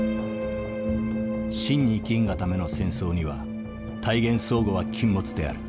真に生きんがための戦争には大言壮語は禁物である。